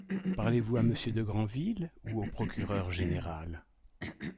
Parlez-vous à monsieur de Grandville ou au procureur général?